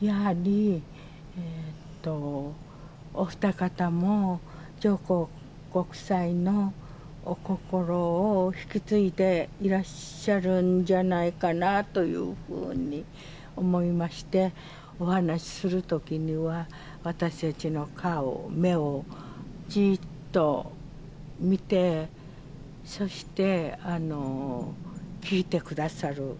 やはりお二方も、上皇ご夫妻のお心を引き継いでいらっしゃるんじゃないかなというふうに思いまして、お話するときには、私たちの顔、目をじっと見て、そして聞いてくださる。